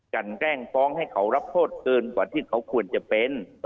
แกล้งฟ้องให้เขารับโทษเกินกว่าที่เขาควรจะเป็น